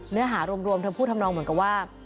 เนื้อหารวมเธอพูดทำนองเหมือนกับว่า